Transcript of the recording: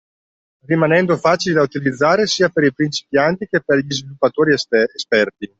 Rimanendo facili da utilizzare sia per i principianti che per gli sviluppatori esperti.